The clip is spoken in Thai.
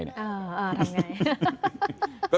เออทำยังไง